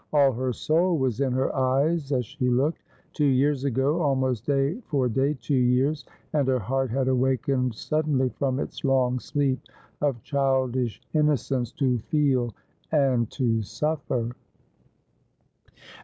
All her soul was in her eyes as she looked. Two years ago — almost day for day, two years — and her heart had awakened suddenly from its long sleep of childish innocence to feel and to suifer.